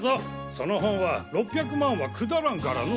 その本は６００万はくだらんからの。